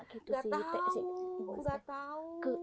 kesel atau apa